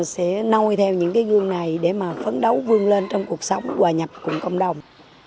sẽ nôi theo những cái gương này để mà phấn đấu vương lên trong cuộc sống hòa nhập cùng công đồng